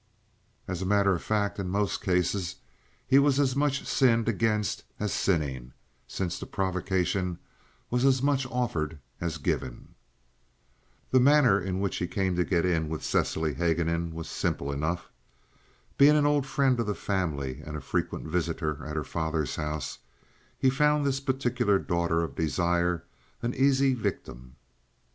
As a matter of fact, in most cases he was as much sinned against as sinning, since the provocation was as much offered as given. The manner in which he came to get in with Cecily Haguenin was simple enough. Being an old friend of the family, and a frequent visitor at her father's house, he found this particular daughter of desire an easy victim.